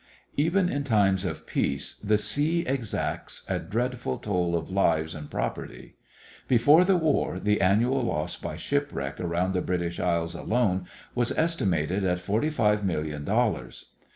Even in times of peace the sea exacts a dreadful toll of lives and property. Before the war the annual loss by shipwreck around the British Isles alone was estimated at forty five million dollars.